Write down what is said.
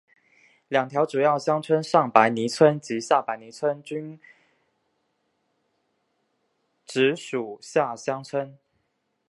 两条主要乡村上白泥村及下白泥村均辖属厦村乡。